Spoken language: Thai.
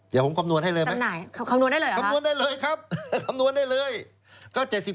เดี๋ยวผมคำนวณให้เลยไหมครับคำนวณได้เลยครับ